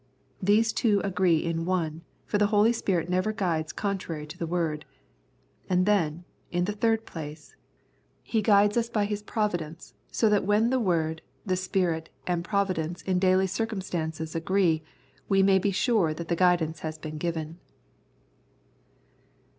These two agree in one, for the Holy Spirit never guides contrar}^ to the Word. And then, in the third place, He 6 Grace and Holiness guides us by His Providence, so that when the Word, the Spirit, and Providence in daily circumstances agree we may be sure that the guidance has been given.